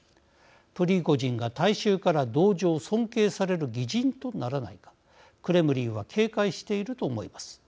プリゴジンが、大衆から同情、尊敬される義人とならないかクレムリンは警戒していると思います。